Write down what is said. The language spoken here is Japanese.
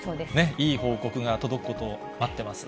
いい報告が届くことを待ってます。